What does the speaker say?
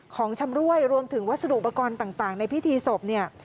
ของชำรวยรวมถึงวัสดุอุปกรณ์ต่างในพิธีศพเนี่ย